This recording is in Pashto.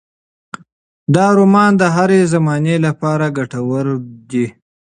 دا رومان د هرې زمانې لپاره ګټور دی.